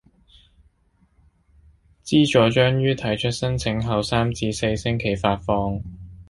資助將於提出申請後三至四星期發放